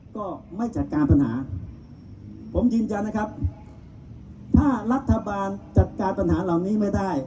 ก็ไม่จัดการปัญหาผมยืนยันนะครับถ้ารัฐบาลจัดการปัญหาเหล่านี้ไม่ได้